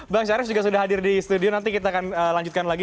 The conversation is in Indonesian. bang syarif juga sudah hadir di studio nanti kita akan lanjutkan lagi